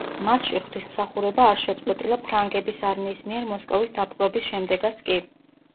მასში ღვთისმსახურება არ შეწყვეტილა ფრანგების არმიის მიერ მოსკოვის დაპყრობის შემდეგაც კი.